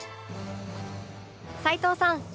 齊藤さん